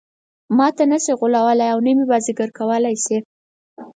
ماته نه شي غولولای او نه مې بازيګر کولای شي.